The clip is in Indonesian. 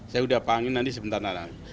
saya sudah panggil nanti sebentar lagi